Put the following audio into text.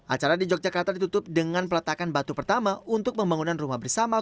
acara di yogyakarta ditutup dengan peletakan batu pertama untuk pembangunan rumah bersama